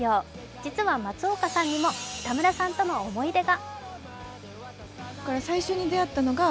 実は、松岡さんにも北村さんとの思い出が。